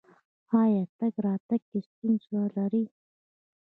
ایا تګ راتګ کې ستونزه لرئ؟